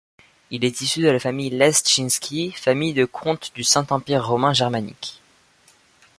Il est issu de la famille Leszczyński, famille de comtes du Saint-Empire Romain Germanique.